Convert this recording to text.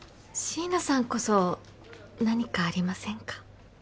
シイナさんこそ何かありませんか？